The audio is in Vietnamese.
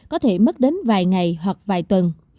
có thể mất đến vài ngày hoặc vài tuần